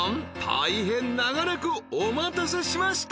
大変長らくお待たせしました］